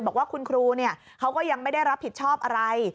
บอกว่าคุณครูเขาก็ยังไม่ได้รับผิดชอบอะไร